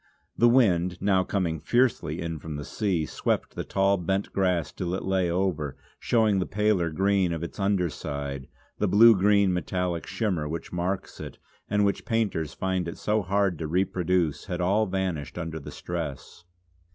The wind, now coming fiercely in from the sea, swept the tall bent grass till it lay over, showing the paler green of its under side; the blue green, metallic shimmer which marks it, and which painters find it so hard to reproduce, had all vanished under the stress.